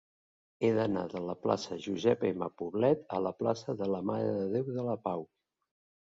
He d'anar de la plaça de Josep M. Poblet a la plaça de la Mare de Déu de la Pau.